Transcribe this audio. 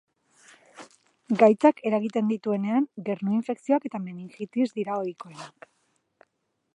Gaitzak eragiten dituenean gernu-infekzioak eta meningitis dira ohikoenak.